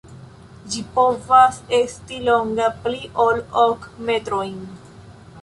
Ĝi povas esti longa pli ol ok metrojn.